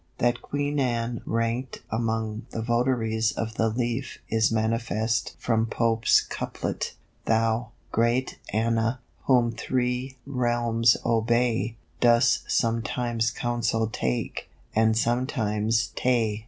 That Queen Anne ranked among the votaries of the leaf is manifest from Pope's couplet: "Thou, great Anna, whom three realms obey, Dost sometimes counsel take, and sometimes Tay."